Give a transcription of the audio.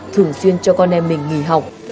thường xuyên cho con em mình nghỉ học